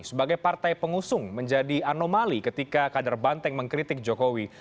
sebagai partai pengusung menjadi anomali ketika kader banteng mengkritik jokowi